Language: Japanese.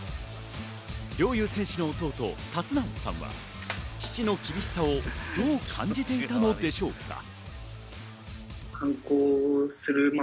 陵侑選手の弟・龍尚さんは父の厳しさをどう感じていたのでしょうか？